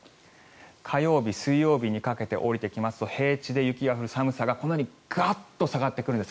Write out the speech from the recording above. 火曜日、水曜日にかけて下りてきますと平地で雪が降る寒さがこのようにガッと下がってくるんです。